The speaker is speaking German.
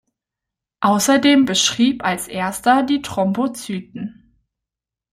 Außerdem beschrieb als erster die Thrombozyten.